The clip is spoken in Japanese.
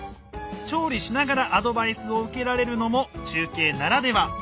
調理しながらアドバイスを受けられるのも中継ならでは。